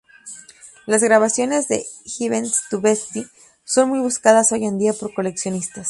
Las grabaciones de Heavens to Betsy son muy buscadas hoy en día por coleccionistas.